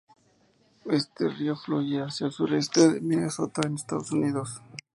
Este río fluye hacia el suroeste de Minnesota en Estados Unidos.